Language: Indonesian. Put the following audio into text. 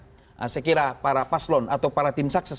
saya kira para paslon atau para tim sukses